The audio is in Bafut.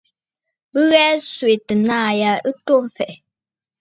Bɨ ghɛɛ nswɛ̀tə naà ya ɨ to mfɛ̀ʼɛ̀.